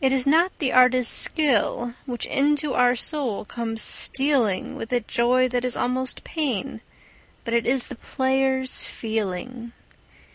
It is not the artist's skill which into our soul comes stealing With a joy that is almost pain, but it is the player's feeling.